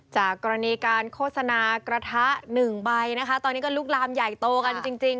จากกรณีการโฆษณากระทะหนึ่งใบนะคะตอนนี้ก็ลุกลามใหญ่โตกันจริง